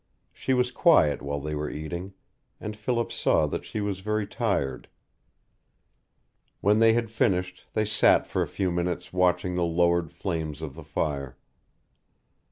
She was quiet while they were eating, and Philip saw that she was very tired. When they had finished, they sat for a few minutes watching the lowering flames of the fire.